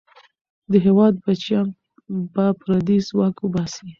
د هېواد بچیان به پردی ځواک وباسي.